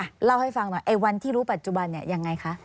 เล่าให้ฟังหน่อยไอ้วันที่รู้ปัจจุบันเนี่ยยังไงคะ